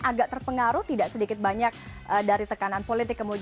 agak terpengaruh tidak sedikit banyak dari tekanan politik